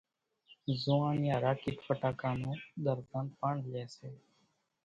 زوئاڻيا راڪيٽ ڦٽاڪان نون ۮرزن پڻ لئي سي